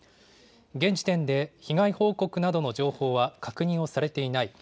現時点で被害報告などの情報は確認をされていない。